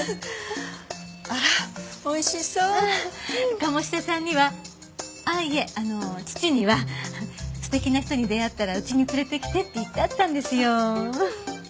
鴨志田さんにはあっいえあの父には素敵な人に出会ったら家に連れてきてって言ってあったんですよ。